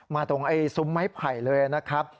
ตรงซุ้มไม้ไผ่เลยนะครับ